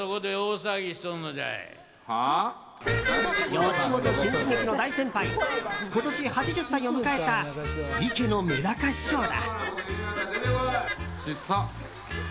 吉本新喜劇の大先輩今年８０歳を迎えた池乃めだか師匠だ。